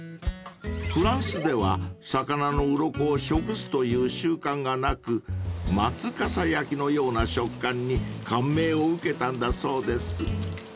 ［フランスでは魚のうろこを食すという習慣がなく松笠焼きのような食感に感銘を受けたんだそうです］